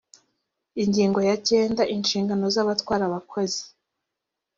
ingingo ya cyenda inshingano z’abatwara abakozi